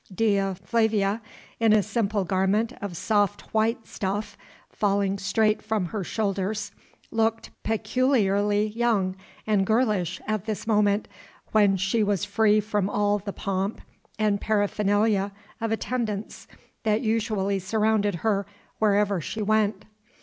Dea Flavia, in a simple garment of soft white stuff falling straight from her shoulders, looked peculiarly young and girlish at this moment, when she was free from all the pomp and paraphernalia of attendants that usually surrounded her wherever she went.